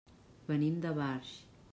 Venim de Barx.